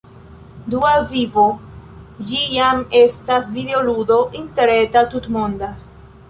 Dua Vivo, ĝi jam estas videoludo interreta, tutmonda